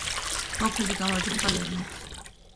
მოქმედი გამარჯვებულია „ბაიერნი“.